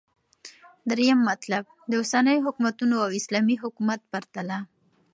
دريم مطلب - داوسنيو حكومتونو او اسلامې حكومت پرتله